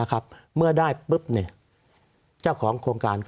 สวัสดีครับทุกคน